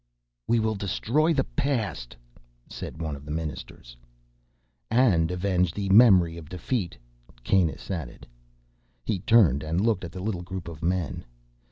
"We will destroy the past," said one of the ministers. "And avenge the memory of defeat," Kanus added. He turned and looked at the little group of men.